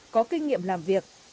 có kinh nghiệm làm việc